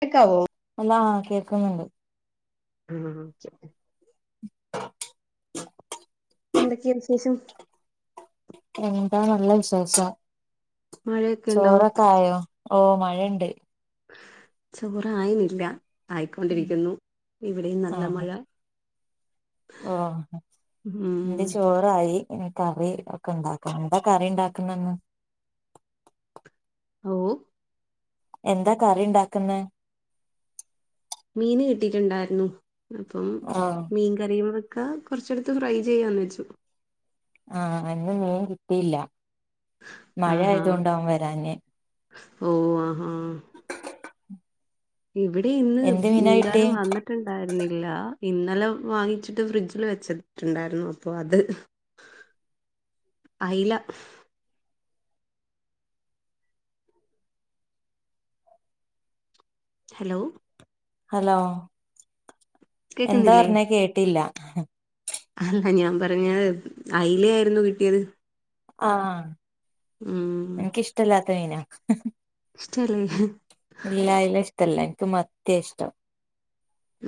കേക്കാവോ ആ കേക്കുന്നുണ്ട് ആ ഓകെ എന്തൊക്കെയാ വിശേഷം എന്താ നല്ല വിശേഷം മഴയൊക്കെ ഉണ്ടോ ചോറൊക്കെ ആയോ ഓ മഴയുണ്ട് ചോറ് ആയിനില്ല ആയിക്കൊണ്ടിരിക്കുന്നു ഇവിടെയും നല്ല ആഹ് മഴ ഓ എന്റെ ഉം ചോറായി പിന്നെ കറി ഒക്കെ ഇണ്ടാക്കണം എന്താ കറി ഉണ്ടാക്കുന്നന്ന് ഓ എന്താ കറി ഉണ്ടാക്ന്ന് മീന് കിട്ടിട്ടുണ്ടായിരുന്നു അപ്പം ആഹ് മീൻ കറിയുംവെ ക്ക കുറച്ചടുത്തു ഫ്രൈ ചെയ്യാം എന്ന് വെച്ചു ആ അന്ന് മീൻ കിട്ടിയില്ല മഴ ആഹാ ആയത്കൊണ്ടാകും വരാന്നേ ഓ ആഹാ എവിടെ, ഇന്ന് എന്ത് മീനാ കിട്ടിയെ മീൻകാരൻ വന്നിട്ടുണ്ടായിരുന്നില്ല. ഇന്നലെ വാങ്ങിച്ചിട്ട് ഫ്രിഡ്ജില് വെച്ചട്ടുണ്ടായിരുന്നു അ അപ്പോ അത്. അയില. ഹലോ ഹലോ എന്താ കേക്കുന്നില്ലേ പറഞ്ഞാ കേട്ടില്ല അല്ല, ഞാൻ പറഞ്ഞ് അയില ആയിരുന്നു കിട്ടിയത്. ആ ഉം എനികിഷ്ട്ടമില്ലാത്തമീന ഇഷ്ടല്ല ഹ് ഇല്ല അയില ഇഷ്ട്ടല്ലേ എനിക്ക് മത്തിയാ ഇഷ്ടം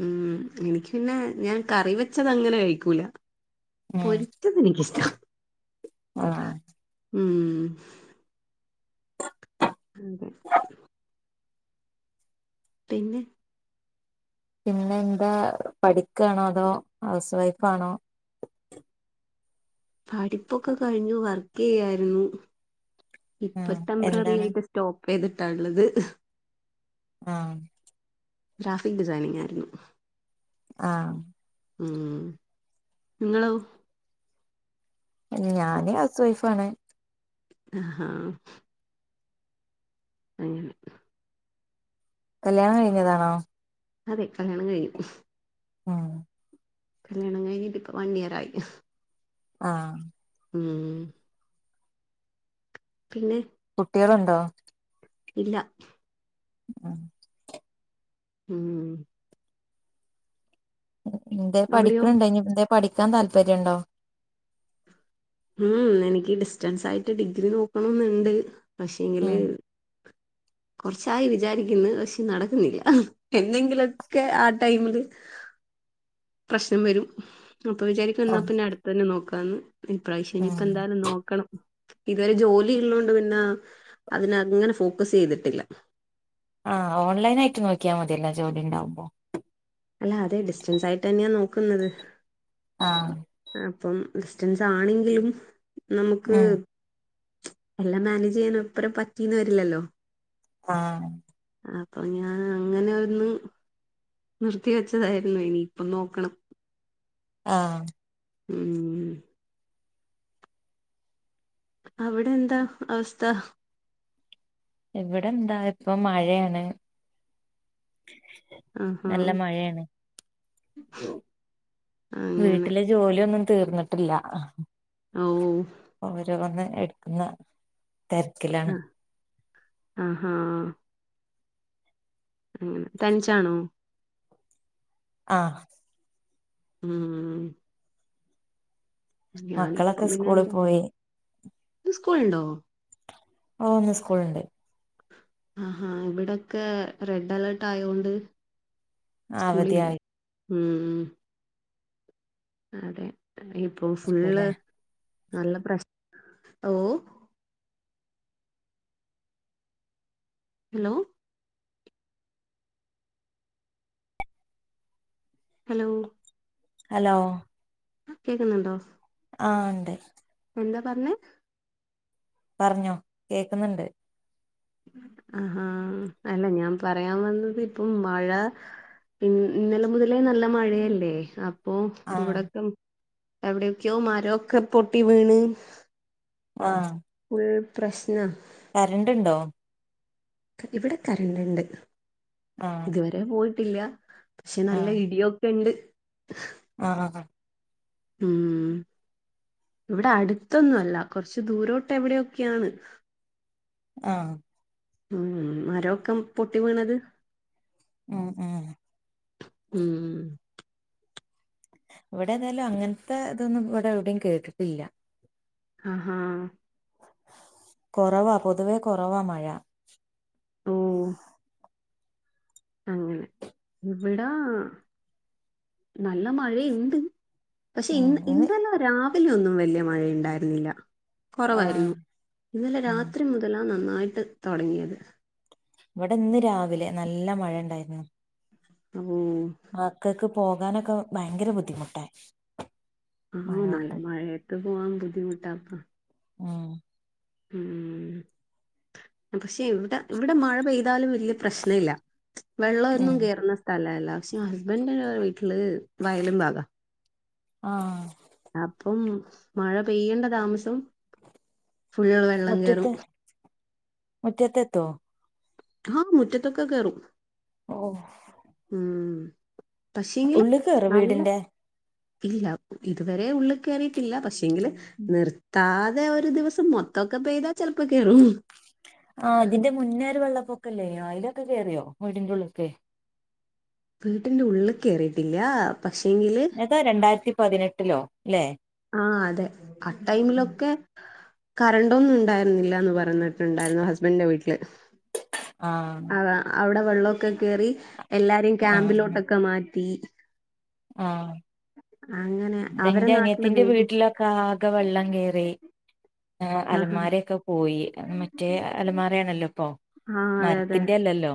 ഉം എനിക്ക് പിന്നെ ഞാൻ കറിവെച്ച അങ്ങനെ കഴിക്കൂല. ഉം പൊരിച്ചത് എനികിഷ്ട്ട ആഹ് ഉം ഉം [inaudible] [unintelligible] പിന്നെ പിന്നെ എന്താ പഠിക്കണോ അതോ ഹൗസ് വൈഫാണോ. പഠിപ്പൊക്കെ കഴിഞ്ഞു വർക്ക് ചെയ്യായിരുന്നു. ഇപ്പൊ ആഹ് ടെംമ്പററി എന്താണ് ആയിട്ട് സ്റ്റോക് ചെയ്തിട്ട ഉള്ളത് ആ ഗ്രാഫിക്ഡിസൈനിങ്, ആയിരുന്നു. ആ ഉം ഇങ്ങളോ ഞാന് ഹൗസ് വൈഫാണ്. അഹാ അങ്ങനെ കല്യാണം കഴിഞ്ഞതാണോ അതെ കല്യാണം കഴിഞ്ഞു. ഉം കല്യാണം കഴിഞ്ഞിട്ടിപ്പ വൺഇയർ ആയി. ആ ഉം പിന്നെ കുട്ട്യാള്ണ്ടോ ഇല്ല [unintelligible] ഉം ഉം എന്തേ അവിടെയോ പഠിക്കിണിയുണ്ടോ ഇനി എന്തേലും പഠിക്കാൻ താല്പര്യണ്ടോ. മംമ് എനിക്ക് ഡിസ്റ്റൻസായിട്ട് ഡിഗ്രി നോക്കണന്നുണ്ട് പക്ഷെ എങ്കില് ഉം കുറച്ചായി, വിചാരിക്കുന്നു പക്ഷേ നടക്കുന്നില്ല എന്തെങ്കിലൊക്കെ ആ ടൈമില് പ്രശ്നം വരും. അപ്പൊ, വിചാരിക്കും ഇന്നാ പിന്നെ അടുത്തതിന് നോകാം, എന്ന് ഈ പ്രാവിശ്യം ഇനി എന്തായാലും നോക്കണം. ഇതുവരെ, ജോലിയുള്ളോണ്ട് പിന്നെ അതിങ്ങനെ ഫോക്കസ് ചെയ്തിട്ടില്ല. ആഹ് ഓൺലൈനായിട്ട് നോക്കിയാ മതിയല്ലോ ജോലിണ്ടാവുമ്പോ. അല്ല, അതെ ഡിസ്റ്റൻസായിട്ടത്തെന്നെ നോക്കുന്നത് ആഹ് ആ അപ്പം, ഡിസ്റ്റൻസ് ആണെങ്കിലും, നമുക്ക് ഉം എല്ലാം മാനേജ് ചെയ്യാൻ ഒപ്പരം പറ്റീന്ന് വരില്ലല്ലോ. ആഹ് അപ്പൊ ഞാൻ അങ്ങനെ ഒന്നും നിർത്തിവെച്ചതായിരുന്നു ഇനി ഇപ്പം നോക്കണം. ആഹ് ഉം മ്മ് അവിടെ എന്താ അവസ്ഥ? ഇവിടെന്താ ഇപ്പൊ മഴയാണ്. ആഹാ നല്ല മഴയാണ്. അങ്ങനെ വീട്ടിലെ ജോലിയൊന്നും തീർന്നിട്ടില്ല. ഓ എട്ക്കുന്ന തിരക്കിലാണ്. ആഹ് ഹാ മ്മ് തനിച്ചാണോ? ആഹ് ഉം ഞാനിപ്പം മക്കളൊക്കെ പിന്നെ സ്കൂളിൽ എന്റെറെ പോയി ഇന്ന് സ്കൂള്ണ്ടോ? ഓ ന്ന് സ്കൂള്ണ്ട്. ആഹാ ഇബ്ടൊക്കെ റെഡ് അലേർട്ട് ആയോണ്ട് ആ അവധി ആയി. ഉം ഉം അതെ ഇപ്പൊ ഫുള്ള് നല്ല പ്രശ്ന ഓ ഹലോ ഹലോ ഹലോ കേക്കുന്നുണ്ടോ ആ ഉണ്ട് എന്താ പറഞ്ഞേ പറഞ്ഞോ കേക്കുന്നുണ്ട് ആഹാ അല്ല ഞാൻ പറയാൻ വന്നത് ഇപ്പം മഴ പി ഇന്നലെ മുതലേ നല്ല മഴയല്ലേ അപ്പൊ ആ ഇവിടൊക്കെ എവിടെയൊക്കെയോ മരമൊക്കെ പൊട്ടി വീണ് ആഹ പ്രശ്ന കറന്റ്‌ ഇണ്ടോ ഇവിടെ കരണ്ട്ുണ്ട് ആ ഇതുവരെ പോയിട്ടില്ല പക്ഷെ നല്ല ഇടിയൊക്കെ ഉണ്ട് ആഹ ഉം ഇവിടെ അടുത്തൊന്നും അല്ല കുറച്ചു ദൂരോട്ട് എവിടെൊക്കെയാണ് ആഹ ഉം മരൊക്കെ പൊട്ടി വീണത് ഉം ഉ ഉം ഇവിടെ എന്തായാലും അങ്ങനത്തെ ഇതൊന്നും ഇവിടെ എവിടെയും കേട്ടിട്ടില്ല ആഹ് ഹഹ കൊറവാ പൊതുവേ കൊറവാ മഴ ഓ അങ്ങനെ ഇവിടാ നല്ല മഴ എന്ത് പക്ഷെ ഇന്ന് ഇന്നാല രാവിലെയ ഒന്നും വലിയ മഴയ ഉണ്ടായിരുന്നില്ല ആ കുറവായിരുന്നു ഇന്നലെ ഉം രാത്രി മുതലാ നന്നായിട്ട് തുടങ്ങിയത് ഇവിടെ ഇന്ന് രാവിലെ നല്ല മഴ ഇണ്ടായിരുന്നു ഓ മകൾക്ക് പോകാനൊക്കെ ഭയങ്കര ബുദ്ധിമുട്ടായി ആഹ മഴ ന കൊണ്ട് മഴയത്ത് പോവാൻ ബുദ്ധിമുട്ടാക. ആഹ ഉം പക്ഷെ ഇവിടെ ഇവിടെ മഴ പെയ്താലും വലിയ പ്രശ്ന ഇല്ല. വെള്ളമൊന്നും ഉം കേയറുന്ന സ്ഥലല്ല. പക്ഷെ ഹസ്ബൻഡ വീട്ടില് വയലും ഭാഗം. ആഹ അപ്പം മഴ പെയ്യണ്ട താമസം. ഫുള്ളള് വെള്ളം മുറ്റത്ത് കേയറും. മുറ്റത്തെത്തോ? ആഹ മുറ്റ തൊക്കെ കും റും ഓ ഉം.. പക്ഷേ എങ്കില് ഉള്ളിൽ കേറോ നല്ല വീടിന്റെ ഇല്ല ഇതുവരെ ഉള്ളിൽ കയറിയിട്ടില്ല. പക്ഷെങ്കില് നിർത്താതെ അതെ ഒരു ദിവസം മൊത്തൊക്കെ പെയ്താ ചെിലപ്പോ കേയറും. ആ അതിന്റെ മുന്നേ ഒരു വെള്ളപ്പൊക്കല്ലേയോ അലൊക്കെ കേയറിയോ വീടിൻ്റെ ഉള്ളിക്ക്. വീട്ടിന്റെ ഉള്ളിൽ കയറിട്ടില്ല. പക്ഷേെങ്കില് ഏതാ രണ്ടായിരത്തി പതിനെട്ടിലോ. ല്ലേ ആ അതെ ആ ടൈമിലൊക്കെ കറണ്ടൊന്നും ഉണ്ടായിരുന്നില്ല. എന്ന് പറഞ്ഞ ണ്ടായി ഹസ്ബൻഡന്റെ വീട്ടിൽ ആഹ് ആ അവിടെ വെള്ളമൊക്കെ കേറി. എല്ലാരിം ക്യാമ്പിലോട്ടൊക്കെ മാറ്റി. ആഹ അങ്ങനെ അവരെ അതന്റെ അനി നാട്ടില് ത്തിന്റെ വേഗം വീട്ടിലൊക്കെ ആകെ വെള്ളം കേയറി ആഹ് അലമാരൊക്കെ പോയി. മറ്റേ അലമാറയാണല്ലോ ഇപ്പൊ മരത്തിന്റെ അല്ലല്ലോ.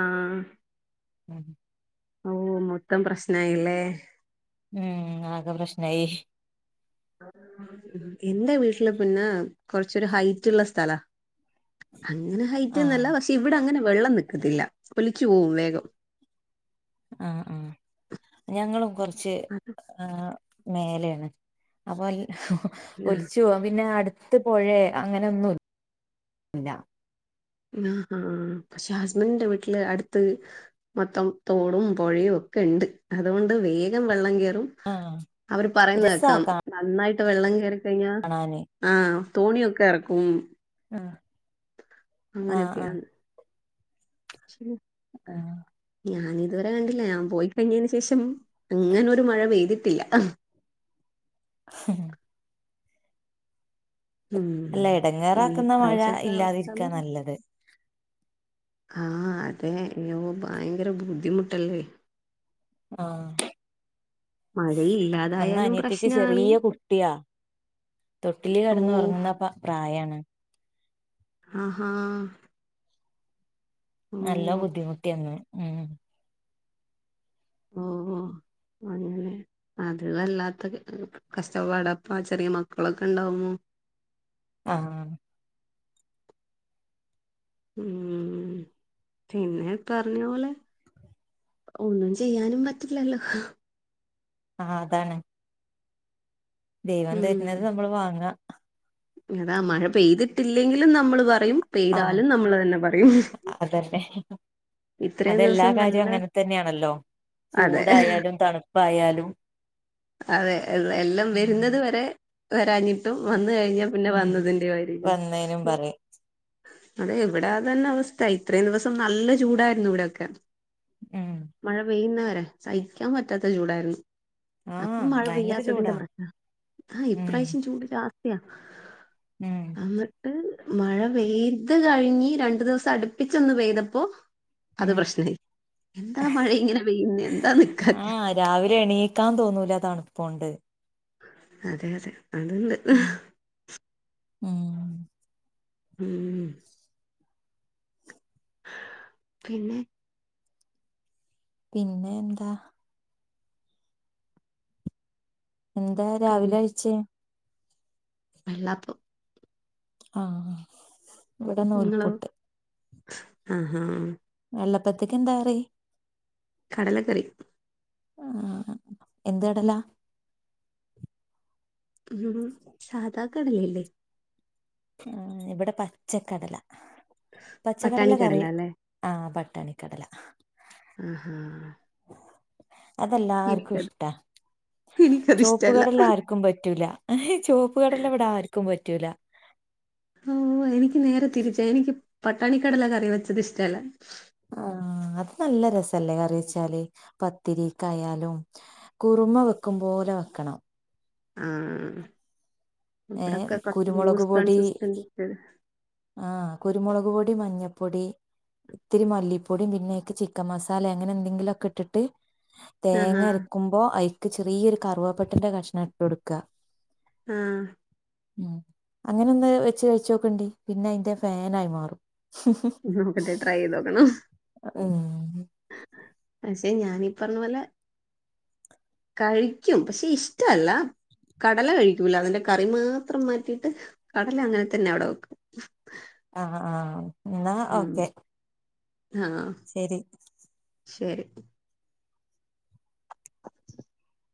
ആഹ. ആ [unintelligible] ഓ- മൊത്തം പ്രശ്നായില്ലേ? ഉം ആകെ പ്രശ്നായി. എന്റെ വീട്ടില് പിന്നെ കൊറച്ചരു ഹൈറ്റ് ഉള്ള സ്ഥലാ. അങ്ങനെ ഹൈറ്റ് ആഹ് എന്നല്ല പക്ഷെ ഇവിടെ അങ്ങനെ വെള്ളം നിക്കത്തില്ല ഒലിച്ചു പോവും വേഗം. ആഹ ആഹ ഞങ്ങളും കുറച്ച് ആ മേലെയാണ് അപ്പൊ അൽ ഹ ഹ ആഹ് ഒലിച്ചു പോവാ പിന്നെ അടു അടുത്തുപോയ അങ്ങനെ ഒന്നുമില്ല. ആഹാ പക്ഷെ ഹസ്ബൻഡന്റെ വീട്ടില് അടുത്ത്. മൊത്തം തോടും, പുഴയയും. ക്കെ ഉണ്ട് അതുകൊണ്ട് വേഗം വെള്ളം കൊറും. ആഹ് അവര് പറയുന്നെ രസാ കേക്കാം കാ നന്നായിട്ട് വെള്ളംകൊറി. കഴിഞ്ഞ കാണാന് ആഹ തോണിയൊക്കെ ഇറക്കും. ആഹ് ആഹ് അങ്ങനെയൊക്കെയാണ് [inaudible] ഇതുവരെ കണ്ടില്ല ഞാൻ പോയി കഴിഞ്ഞതിനന് ശേഷം- അങ്ങനെ ഒരു മഴ പെയ്തിട്ടില്ല. ഹ ഹും ഉം അല്ല ഇനി ഇടങ്ങേറാക്കുന്ന മഴ ഇപ്രാവശ്യത്തെ ഇല്ലാതിരിക്കാ നല്ലത്. ആഹ അതെ യ്യോ ഭയങ്കര ബുദ്ധിമുട്ടല്ലേ? ആ മഴയും അന്ന് ഇല്ലാതായാലും അനിയത്തിക്ക് പ്രശ്നാണ് ചെറിയ കുട്ടിയാ തൊട്ടിലി ഓ കടന്നു ഉറങ്ങുന്ന പ്രായാണ്. ആഹാ ഓ നല്ലം ബുദ്ധിമുട്ടിയന്ന് ഹ്മ്മ് ഓ ഓ അങ്ങല്നൊ അത് വല്ലാത്ത കഷ്ടപ്പാട പ്പൊ ചെറിയ മക്കളൊക്കെ ഉണ്ടാവുമ്പോ. ആ ഉം പിന്നെ പറഞ്ഞ പോലെ. ഒന്നും ചെയ്യാനും പറ്റില്ലല്ലോ? ആഹ് അതാണ് ദൈവം ഉം തരുന്നത് നമ്മള് വാങ്ങ അതാ മഴ പെയ്തിട്ടില്ലെങ്കിലും നമ്മൾ പറയും- ആഹ് പെയ്താലും നമ്മൾ തന്നെ പറയും അതന്നെ ഇത്രയും അതെല്ലാ ദിവസം കാര്യവും നല്ല അങ്ങനെ തന്നെയാണല്ലോ അതെ ചൂടായാലും- തണുപ്പായാലും അതെ എല്ലാം വരുന്നത് ഉം വരെ വരാഞ്ഞിട്ടും വന്ന കഴിഞ്ഞാ പിന്നെ വന്നതിന്റെയ ആയിരിക്കും വന്നേനും പറയും അതെ എവിടാ തന്നെ അവസ്ഥ ഇത്രേയും ദിവസം നല്ല ചൂടായിരുന്നു ഇവിടെ ഒക്കെ ഉം മഴ പെയ്യുന്നവരെ- സഹിക്കാൻ പറ്റാത്ത ചൂടായിരുന്നു ആഹ് അപ്പം മഴ ഭയങ്കര പെയ്യാത്തതിന്റെ ചൂടാ പ്രശ്ന- ആ ഇപ്രാവശ്യം ചൂട് ജാസ്തിയ മ് മഴ പെയ്ത് കഴിഞ്ഞ് രണ്ടു ദിവസം അടുപ്പിച്ചൊന്ന് പെയ്തപ്പോ അത് ഉം പ്രശ്നായി എന്താ മഴ ഇങ്ങനെ പെയ്യുന്ന എന്താ നിക്കാത്തെ പോവണ്ടേ അതെ അതെ അത്ണ്ട്- മ്മ് ഹ്മ്മ് പിന്നെ- പിന്നെ എന്താ എന്താ രാവിലെ കഴിച്ചേ വെള്ളപ്പം ആഹ ഇവിടെന്ന് നൂൽപൊട്ട് ആഹ ആഹ വെള്ളപ്പത്തക്ക എന്താറി കടലക്കറി ആ എന്ത് ഇടലാ സാധാക്കണല്ലേല്ലേ ഉ ഇവിടെ പച്ചക്കടല പട്ടാണി പച്ചക്കടല കറി കടല അല്ലേ ആ ട്ടണിക്കടല ആഹ ഹഹ അതെല്ലാർക്കും ഇഷ്ടാ എനിക്കത് ചുവപ്പ ഇഷ്ടല്ല കടല്ല ആർക്കും പറ്റൂല ആ ചുവപ്പ കടല്ലാം ഇവിടെ ആർക്കും പറ്റൂല ഓ എനിക്ക് നേരെ തിരിച്ച എനിക്ക് പട്ടാണിക്കടല കറി വെച്ചത് ഇഷ്ടല്ല ആ അത് നല്ല രസല്ലേ കറി വെച്ചാല് പത്തിരി കായാലും ഉമ്മ വെക്കും പോലെ വെക്കണം ആഹ ഏ കുരുമുളക് പൊടി കൺസിസ്റ്റന്റ് ആഹ കുരുമുളക് പൊടി പൊടി മഞ്ഞപ്പൊടി ഇത്തിരി മല്ലിപ്പൊടും പിന്നെ ചിക്കൻ മസാല അങ്ങനെ എന്തെങ്കിലൊക്കെ ഇട്ടിട്ട് ആഹാ തേങ്ങ അരക്കുമ്പോ അഐക്ക് ചെറിയൊരു കറുവപ്പെെട്ടിന്റെ കഷ്ണം ഇട്ട് കൊടുക്കുക ആഹ ഉ അങ്ങനെ ഒന്ന് വെച്ച് കഴിച്ചോക്കണ്ടി പിന്നെ അതിന്റെ ഫാന ആയി മാറും നോക്കട്ടെ ട്രൈ ചെയ്ത് നോക്കണോ ഏഹ പക്ഷെ ഞാനീ പറഞ്ഞ പോലെ കഴിക്കും പക്ഷെ ഇഷ്ടല്ല കടല കഴിക്കൂല അതിന്റെ കറി മാത്രം മാറ്റിട്ട് കടല അങ്ങനെ തന്നെ അവിടെ വെക്കും ആഹ ആഹ എന്നാ ഉം ഓക്കെ ആഹ് ശരി ശരി [unintelligible]